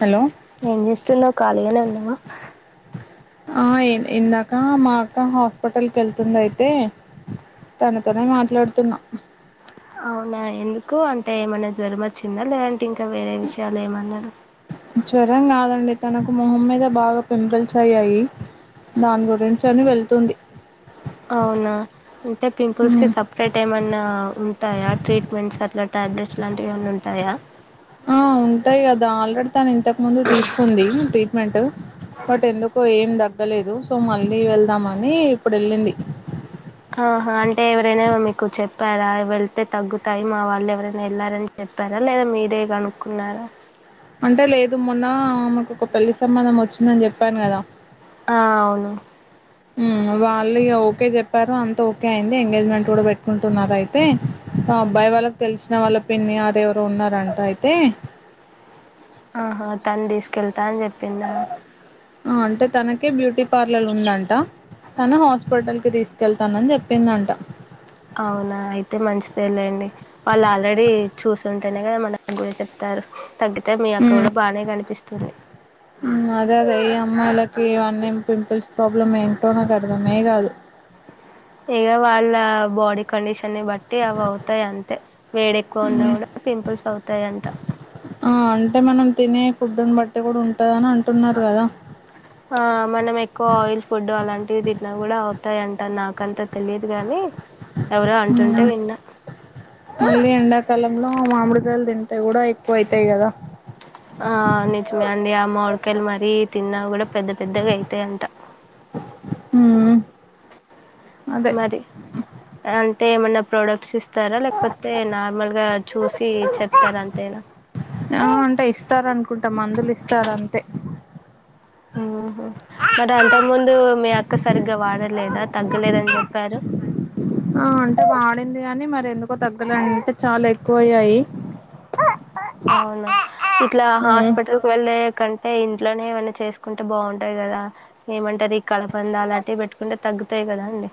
Hello ఏం చేస్తున్నావు ఖాళీగానే ఉన్నావా, ఆ ఇందాక మా అక్క హాస్పిటల్ క వెళ్తుంది. అయితే తన తోనే మాట్లాడుతున్నా, అవునా ఎందుకు అంటే ఏమన్నా జ్వరమ వచ్చిందా లేదంటే ఇంకా వేరే విషయాలు ఏమన్నా, జ్వరం కాదండి తనకు మొహం మీద బాగా పెంపుల్స్ అయ్యాయి. దాని గురించి అని వెళ్తుంది. అవునా అంటే పింపుల్స్ కి ఉమ్, సపరేట్ ఏమన్నా, ఉంటాయా ట్రీట్మెంట్స్ అట్లా టాబ్లెట్స్ లాంటివివన్నీ ఉంటాయా. ఆ ఉంటాయి కదా ఆల్రెడీ తను ఇంతకు ముందు తీసుకుంది ట్రీట్మెంట్ బట్ ఎందుకో ఏం తగ్గలేదు సో మళ్ళీ వెళ్దామని ఇప్పుడు వెళ్ళింది. ఆహా అంటే ఎవరైనా మీకు చెప్పారా వెళ్తే తగ్గుతాయి మా వాళ్ళు ఎవరైనా వెళ్ళారని చెప్ప చెస్తారా లేదా మీరే కనుక్కున్నారా అంటే లేదు మొన్న మకు ఒక పెళ్లి సంబంధం వచ్చిందని చెప్పాను కదా, ఆ అవును వాళ్ళు ఓకే చెప్పారు అంత ఓకే అయింది. ఎంగేజ్మెంట్ కూడా పెట్టుకుంటున్నారు అయితే ఆ అబ్బాయి వాళ్ళకి తెలిసిన వాళ్ళ పిన్ని ఆర ఎవరు ఉన్నారంట అయితే, ఆహా తను తీసుకెళ్తా అని చెప్పిందా అంటే తనకే బ్యూటీ పార్లర్ ఉందంట తను హాస్పిటల్ కి తీసు కెళ్తానని చెప్పిందంట, అవునా అయితే మంచిదేళండి వాళ్ళు ఆల్రెడీ చూసింటేనే కదా మన కూడా చెప్తారు. తాగ్గుతది మీ అక్క హ్మ్. కూడా బానే కనిపిస్తుంది. హ్మ్. అదే అదే ఈ అమ్మాయిలకి ఇవన్నీ పింపుల్స్ ప్రాబ్లం ఏంటో నాకు అర్థమే కాదు, ఇగా వాళ్ళ బాడీ కడిషన్ న్ని బట్టి అవి అవుతాయి, అంతే వేడెక్కువ ఉన్నా కూడా పింపుల్స్ అవుతాయ అంట ఆ అంటే మనం ఫుడ్ని బట్టి కూడా ఉంటద అని అంటున్నారు. కదా [unintelligible] ఆ మనం ఎక్కువ ఆయిల్ ఫుడ్ అలాంటివి తిన్నా కూడా అవుతాయింట నాకంతా తెలియదు గాని, ఎవరో అంటుంటే ఉ విన్నా మళ్ళీ ఎండాకాలంలో మామిడి తింటే కూడా ఎక్కువ అవుతాయి కదా చికెన్ మరీ తిన్నా కూడా పెద్ద పెద్దగా అయితాయంటా హ్మ్. అదే మరి అంటే ఏమన్నా ప్రోడక్ట్స్ ఇస్తారా లేకపోతే నార్మల్ గా చూసి చెప్తారు అంతేనా ఆ అంటే ఇస్తారూ అనుకుంటా మందులు ఇస్తారు అంతే హుహు మరి అంత ముందు మీ అక్క సరిగ్గా వాడలేదా తగ్గలేదని చెప్పారు ఆ అంటే వాడింది గాని మరి ఎందుకో తగ్గలే అంటే చాలా ఎక్కువయ్యాయి అవునా ఇట్లా హాస్పిటల్కి వెళ్ళే కంటే ఇంట్లోనే ఏమైనా చేసుకుంటే బాగుంటాయి కదా ఏమంటారు కలమంద అలాంటివి పెట్టుకుంటే తగ్గుతాయి కదా అండి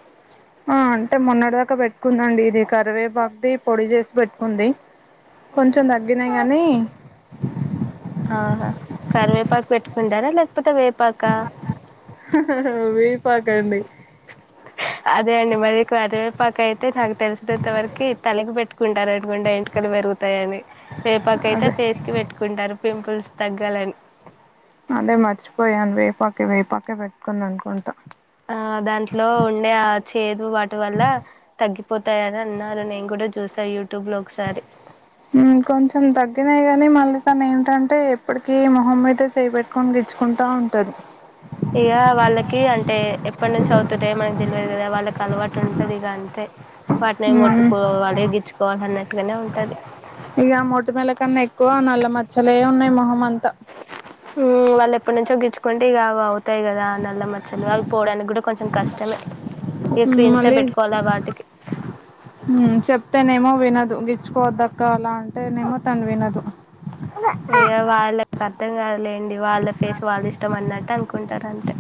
ఆ అంటే మొన్నటిదాకా పెట్టుకుందండి ఇది కరివేపాకు పొడి చేసి పెట్టుకుంది కొంచెం తగ్గినాయి గానీ ఆహా కరివేపాకు పెట్టుకుంటారా లే పోతే వేపాకా వేపాకండి అదే అండి మరి కరివేపాకు అయితే నాకు తెలిసినంత వరకు తలకి పెట్టుకుంటారు అనుకుంటా ఎంటికలు పెరు పెరుగుతాయని వేపాకు అయితే అదే ఫేస్ కి పెట్టుకుంటారు పింపుల్స్ తగ్గాలని అదే మర్చిపోయాను వేపాకే వేపాకే పెట్టుకుంది అనుకుంటా ఆ దాంట్లో ఉండే ఆ చేదు వాటి వల్ల తగ్గి పోతాయని అన్నారు నేను కూడా చూసా యూట్యూబ్లో ఒకసారి కొంచెం తగ్గినాయి గానీ మళ్ళీ తను ఏంటంటే ఎప్పటికీ మొహం మీద చేయిపెట్టి గిచ్చుకుంటా ఉంటది ఇక వాళ్ళకి అంటే ఎప్పటి నుంచి అవుతుంటే మనకి తెలియదు కదా వాళ్ళకి అలవాటు ఉంటది ఇగా అంతే వాటిని ఉమ్ ముట్టుకోవాలి గిచ్చుకోవాలి అన్నట్టుగానే ఉంటది ఇగా మొటిమల కన్నా ఎక్కువ నల్ల మచ్చలే ఉన్నాయి మొహం అంతా వాళ్ళు ఎప్పటి నుంచో గిచ్చుకుంటే ఇగా అవి అవుతాయి కదా నల్ల మచ్చలు అవి పోడానికి కూడా కొంచెం కష్టమే ఇగ క్రీమ్సే మళ్ళీ పెట్టుకోవాలా వాటికి చెప్తేనేనేమో వినదు గిచ్చు గిచ్చుకోవద్దు అక్క అలా అంటేనేమో తని వినదు ఇగ వాళ్ళ అర్థం కాదు లేండి వాళ్ళ ఫేస్ వాళ్ళ ఇష్టం అన్నట్టు అనుకుంటారు అంతే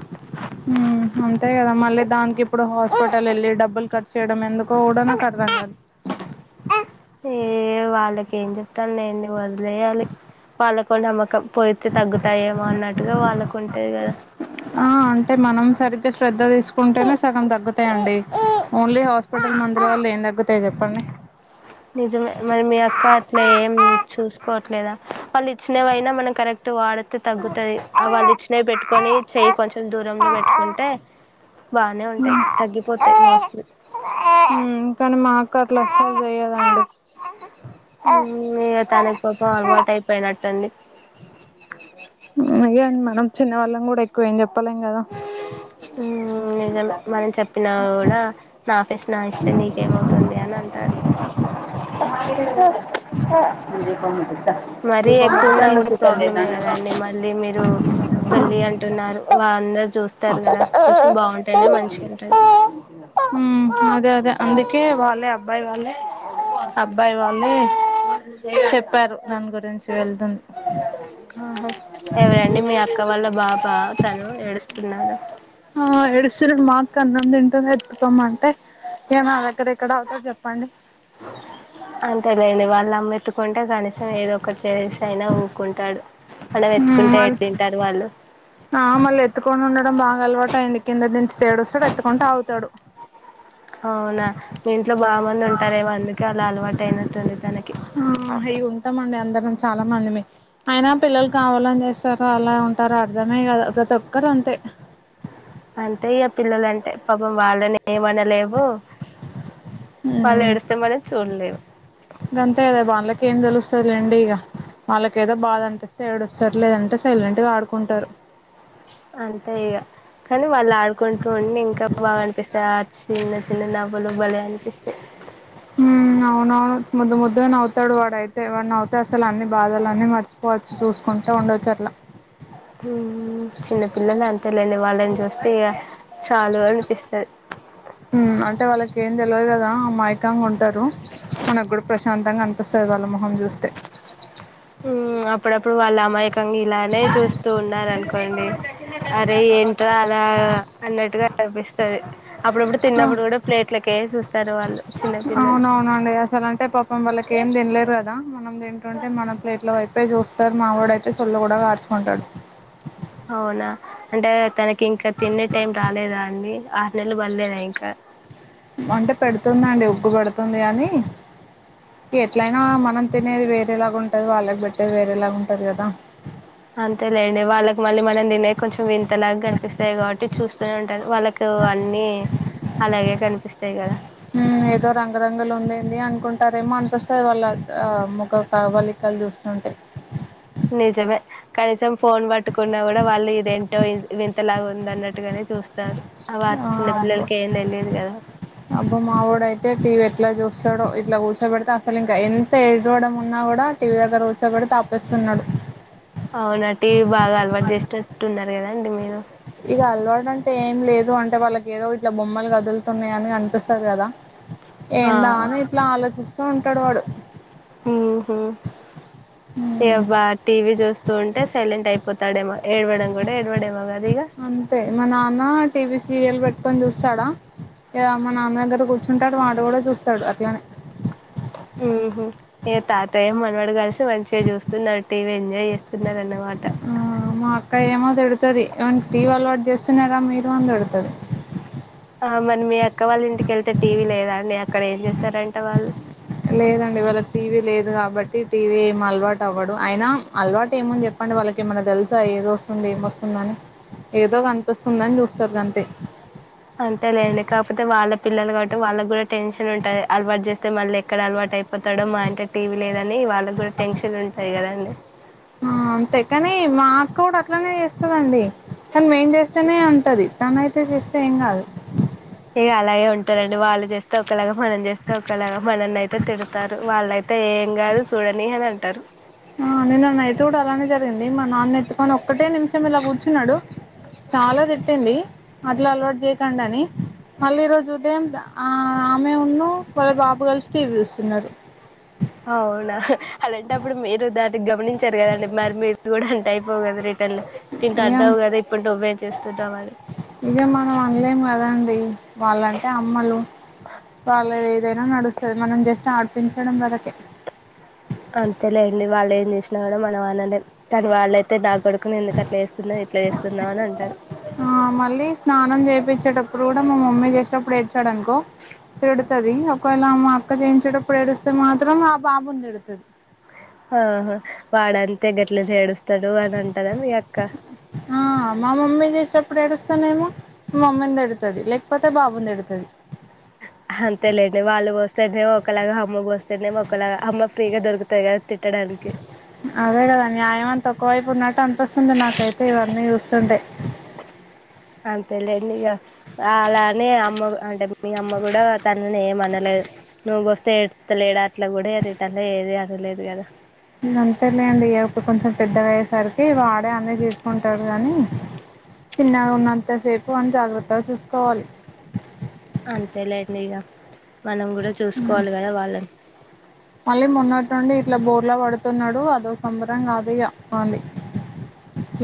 అంతే కదా మళ్ళీ దానికి ఇప్పుడు హాస్పిటల్ వెళ్ళి డబ్బులు ఖర్చు చేయడం ఎందుకో కూడా నాకు అర్థం కాదు ఏ వాళ్ళకి ఏం చెప్తాం లేండి వదిలేయాలి వాళ్లకు ఓ నమ్మకం పోతే తగ్గుతాయేమో అన్నట్టుగా వాళ్ళకుంటది కదా ఆ అంటే మనం సరిగ్గా శ్రద్ధ తీసుకుంటేనే సగం తగ్గుతాయండి ఓన్లీ హాస్పిటల్ మందుల వల్ల ఏం తగ్గుతాయి చెప్పండి నిజమే మరి మీ అక్క అట్లా ఏం చూసుకో లేదా వాళ్ళు ఇచ్చినవైనా మనం కరెక్ట్ వాడితే తగ్గుతుది వాళ్ళు ఇచ్చి నపెట్టుకొని చెయ్యి కొంచెం దూరంలో పెట్టుకుంటే బాగానే ఉంటాయి తగ్గిపోతాయి [unintelligible] కానీ మా అక్క అట్లా అస్సలు చేయదు ఆ తన కోపం అలవాటు అయిపోయినట్టుంది ఇగా మనం చిన్న వాళ్ళం కూడా ఎక్కువ ఏం చెప్పలేం కదా నిజమే మనం చెప్పినా కూడా నా ఫేస్ నా ఇష్టం నీకేమవుతుంది అని అంటారు [unintelligible] మరీ ఎక్కువ ఉన్నా కూడా ప్రాబ్లమే సుఖం కదండి మళ్ళీ మీరు పెళ్ళి అంటున్నారు వాళ్ళందరు చూస్తారు కదా కొంచెం బాగుంటానే మంచిగా ఉంటుంది ఉమ్, అదే అదే అందుకే వాళ్ళే అబ్బాయి వాళ్ళే అబ్బాయి వాళ్ళే చెప్పారు దాని గురించి వెళ్తుం ఆహా ఎవరండి మీ అక్క వాళ్ళ బాబా తను ఏడుస్తున్నాడు ఆ ఏడుస్తునడు మా అక్క అన్నం తింటుంది ఎత్తుకోమని అంటే ఇగ నా దగ్గర ఎక్కడ ఆగుతాడు చెప్పండి అంతేలేండి వాళ్ళ అమ్మ ఎత్తుకుంటే కనీసం ఏదో ఒకటి చేసి అయినా ఊకుంటాడు మనం ఉమ్, ఎత్తుకుంటే మళ్ళీ ఏడింటారు వాళ్ళు ఆ మళ్ళీ ఎత్తుకొని ఉండడం బాగా అలవాటు అయింది కింద దించితె ఏడుస్తాడు ఎత్తుకుంటె ఆగుతాడు అవునా మీ ఇంట్లో బాగా మంది ఉంటారేమో అందుకే అలా అలవాటు అయినట్టుంది తనకి ఆ అయ్య ఉంటామండి అందరం చాలా మందిమే అయినా పిల్లలు కావాలని చేస్ స్తారు అలా ఉంటారు అర్థమే కాదు ప్రతి ఒక్కరు అంతే అంతే ఇగ పిల్లల అంటే పాపం వాళ్ళని ఏమనలేం ఓ వాళ్ళు ఉమ్, ఏడుస్తే మనం చూడలేం గంతే కదా వాళ్ళకి ఏం తెలుస్తది లేండి ఇగ వాళ్ళకేదో బాధ అనిపిస్తే ఏడు సర్లేదంటే సైలెంట్గా ఆడుకుంటారు అంతే ఇగ కానీ వాళ్ళు ఆడుకుంటూ ఉండి ఇంకా బాగా అనిపిస్తాయి ఆ చిన్న చిన్న నవ్వులు భలే అనిపిస్తాయి మ్ అవునవును ముద్దు ముద్దు గా నవ్తాడు వాడైతే వాడు నవ్వితే అసలు అన్ని బాదాలు అన్ని మర్చి చ్చ చూసుకుంటు ఉండొచ్చు అట్లా చిన్న పిల్లలు అంతే లేని వాళ్ళని చూస్తే ఇగ చాలు పిస్తది మ్ అంటే వాళ్ళకి ఏం తెలివదు కదా అమాయకంగా ఉంటారు మనకు కూడా ప్రశాంతంగా అనిపిస్తది వాళ్ళ మొహం చూస్తే మ్ అప్పుడప్పుడు వాళ్ళు అమాయకంగా ఇలానే చూస్తూ ఉన్నారనుకోండి అరే ఎంత అల అన్నట్టుగా అనిపిస్తది అప్పుడప్పుడు తిన్నప్పుడు కూడా ప్లేట్లకే చూస్తారు వాళ్ళు చిన్నపిల్లలు అవునవునండి అసలు అంటే పాపం వాళ్ళకి ఏం తినలేరు కదా మనం తింటుంటే మన ప్లేట్ లో పోయి చూస్తారు మావడయితే సొల్లు కూడా కార్చుకుంటాడు అవునా అంటే తనకి ఇంకా తినే టైం రాలేదా అండి ఆరు నెలలు పడ్లేదా ఇంకా అ అంటే పెడుతుందండి ఉగ్గు పెడుతుంది కాని ఎట్లయినా మనం తినేది వేరేలాగా ఉంటది వాళ్ళకి పెట్టేది వేరేలాగా ఉంటది కదా అంతేలేండి వాళ్ళకి మళ్ళీ మనం తినే కొంచెం వింతలాగా కనిపిస్తాయి కాబట్టి చూస్తూనే ఉంటారు వాళ్ళకి కు అన్ని అలాగే కనిపిస్తాయి కదా మ్ ఏదో రంగరంగులు ఉందెంది అనుకుంటారేమో అనిపిస్తది వాళ్ళ ఆ ముఖ కాబలికలు చూస్తుంటె నిజమే కనీసం ఫోన్ పట్టుకున్నా కూడా వాళ్ళు ఇదేంటో వింతలాగా ఉందన్నట్టుగానే చూస్తారు అ వ ఆ చిన్న పిల్లలకి ఏం తెలిదు కదా అబ్బ మావోడయితే టీవీ ఎట్లా చూస్తాడో ఇట్లా కూల్చోబెడితే అసలు ఇంకా ఎంత ఎడ్ డవడం ఉన్నా కూడా టీవీ దగ్గర కూర్చోబెటితే ఆపేస్తున్నాడు లేదండి మీరు ఇగ అలవాట్ అంటు ఏం లేదు అంటే వాళ్ళకి ఏదో ఇట్లా బొమ్మలు కదులుతున్నాయి అని అనిపిస్తది కదా ఆ ఏందా అని ఇట్లా ఆలోచిస్తూ ఉంటాడు వాడు ఉమ్ హు ఎ మ్మ్ బా టి వి చూస్తూ ఉంటే సైలెంట్ అయిపోతాడేమో ఏడవడం కూడా ఏడవడేమో కా అంతే మా నాన్న టీవీ సీరియల్ పెట్టుకొని చూస్తాడా లేదా మా నాన్న దగ్గర కూర్చుంటాడు వాడు కూడా చూస్తాడు అట్లానే ఉహు ఇగ తాతయ్య మనవడు కలిసి మంచిగా చూస్తున్నారు టీవీ ఎంజాయ్ చేస్తున్నారు అన్నమాట ఆ మా అక్క ఏమో తిడుతది వానికి టివి అలవాటు చేస్తున్నారా మీరు అని తడుతది ఆ మరి మీ అక్క వాళ్ళ ఇంటికెళ్తే టీవీ లేదా అండి అక్కడ ఏం చేస్తారంట వాళ్ళు లేదండి వాళ్ళకి టీవీ లేదు కాబట్టి టీవీ అలవాటు అవ్వడు, అయినా అలవాటు ఏముంది చెప్పండి వాళ్ళకి ఏమన్నా గర్ల్స ఏది వొస్తుంది ఎమ్ వస్తుందని అని ఏదో కనిపిస్తుందని చూస్తారు అంతే. అంతేలేండి కాకపోతే వాళ్ళ పిల్లలు కాబట్టి వాళ్ళకి కూడా టెన్షన్ ఉంటది అలవాటు చేస్తే మళ్ళీ ఎక్కడ అలవాటు అయిపోతాడో, మా ఇంట్లో టీవీ లేదని వాళ్ళకి కూడా టెన్షన్ ఉన్ ఉంటాయ్ కదండి ఆ అంతే కాని మా అక్క కూడా అట్లనే చేస్తదండి. తాన్ మేమ్ చేస్తేనే అంటది తనయితే చేస్తే ఎమ్ కాదు. యే అలాగే ఉంటారండి వాళ్ళు చేస్తే ఒకలాగా మనం చేస్తే ఒకలాగా మనల్ని అయితే తిడతారు. వాళ్ళైతే ఎమ్ కాదు చూడని అని అంటారు ఆ నిన్న నైట్ కూడా అలానే జరిగింది, మా నాన్న ఎత్తుకొని ఒక్కటే నిమిషం ఇలా కూర్చున్నాడు. చాలా తిట్టింది అట్లా అలవాటు చేయకండి అని మళ్ళీ ఈ రోజు ఉదయం ఆ ఆమెను వాళ్ళ బాబు కలిసి టీవీ చూస్తున్నారు. అవునా అలాంటప్పుడు మీరు దానికి గమనించారు కదండి మరి మీరు కూడా అంటే అయిపో కదా రిటర్న్ లో. తింటా ఇగ అన్నావ్ కదా ఇప్పుడు నువ్వెమ్ చేస్తున్నావ్ అని. నిజం మనమ్ అనలేం కాదండి వాళ్ళంటే అమ్మలు వాళ్ళుది ఏదైనా నడుస్త్ తది మనం జస్ట్ ఆడిపించడం వరకే అంతేలేండి వాళ్ళు ఎమ్ చేసిన కూడా మనం అనలేం కానీ వాళ్ళయితే దగ్ అక్కని ఎందుకు అట్లా చేస్తున్నావ్ ఇట్లా చేస్తున్నావ్ అని అంటాది. ఆ మళ్ళీ స్నానం చేయిపించేటప్పుడు కూడా మా మమ్మీ చేసేటప్పుడు ఏడ్చాడనుకో తిడుతది అప్ కానీ వాళ్ళమ్మ మా అక్క చేయించేటప్పుడు ఎడుస్తే మాత్రం ఆ బాబుని తిడుతాది. ఆహా వాడంతే గట్లనే ఏడుస్తాడు అని అంటాదా మీ అక్క. ఆ మా మమ్మీ చేసేటప్ ఇప్పుడు ఏడుస్తానేనేమో మా మమ్మీని తిడుతది లేకపోతే బాబుని తిడుతది. అంతేలేండి వాళ్ళు పోస్తేనేమో ఒకలాగా అమ్మ పోస్తేనేమో ఒకలాగా అమ్మ ఫ్రీగా దొరుకుతాయి కదా. తిట్టడానికి అదే కదా న్యాయం అంత ఒక్క వైపు ఉన్నట్టు అనిపిస్తుంది నాకైతే ఇవన్నీ చూస్తుంటే. అంతేలేండి ఇగా అలానే అమ్మ అంటే మీ అమ్మ కూడా తనని ఎమ్ అనద్ నేవ్ నువ్వుపోస్తే ఎడుత్తలేడా అట్లా కూడా రిటర్న్ లో ఏది అనలేదు కదా. ఇంగా అంతేలేండి ఇయప్ప కొంచెం పెద్దగా అయ్యేసరికి వాడే అన్ని చేసుకుంటారు గానీ చిన్నగా ఉన్నంతసేపు వాన్ని జాగ్రత్తా చూసుకోవాలి. అంతేలేండి ఇగ మనం కూడా చూసుకోవాలి కదా వాళ్ళని. మళ్ళీ మొన్నటి నుండి ఇట్లా బోర్లా పడుతున్నాడు అదో సంబరం కాదు ఇగా వన్ది.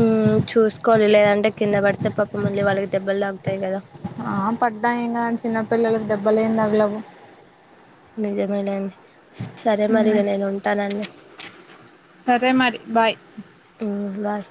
ఉమ్ చూసుకోవాలి లేదంటే కింద పడితే పాపం వాళ్ళకి దెబ్బలుతాగుతయ్ కదా. ఆ పడ్డా ఎమ్ కాదండి చిన్నపిల్లలకు దెబ్బ లేమ్ తగలవు. నిజమేలేండి సరే మరి ఇగ నేను ఉంటానండి. సరే మరి బాయ్ బాయ్